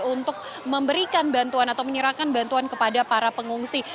untuk memberikan bantuan atau menyerahkan bantuan kepada para pengungsi